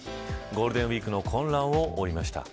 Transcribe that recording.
ゴールデンウイークの混乱を追いました。